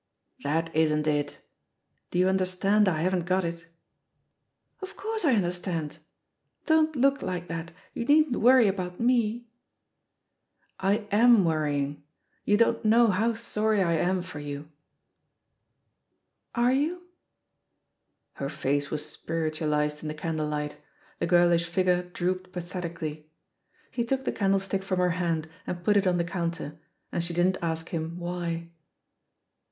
"That isn't it. Do you understand I haven't got it?" "Of course I understand! Don't look like that; you needn't worry about me "I am worrying. You don't know how sorry I am for you." 88 THE POSITION OF PEGGY HARPER "Are youT' Her face was spiritualised in the candlelight, the girlish figure drooped pathetically. He took the candlestick from her hand and put it on the counter, and she didn't ask him "why."